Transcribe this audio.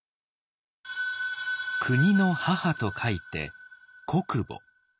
国の母と書いて国母。